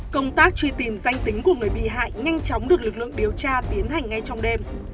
công tác truy tìm danh tính của người bị hại nhanh chóng được lực lượng điều tra tiến hành ngay trong đêm